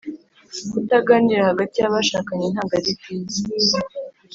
kutaganira hagati y’abashakanye ntago aribyiza